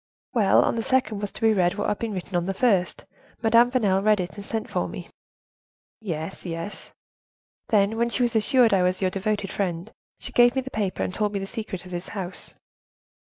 "Well, on the second was to be read what had been written on the first; Madame Vanel read it, and sent for me." "Yes, yes." "Then, when she was assured I was your devoted friend, she gave me the paper, and told me the secret of this house."